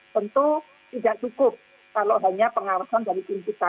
tentu tidak cukup kalau hanya pengawasan dari tim kita